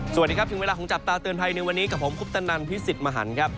สวัสดีครับถึงเวลาของจับตาเตือนภัยในวันนี้กับผมคุปตนันพิสิทธิ์มหันครับ